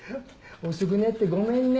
遅くなってごめんね。